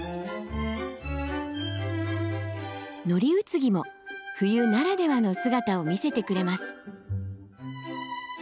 ノリウツギも冬ならではの姿を見せてくれます。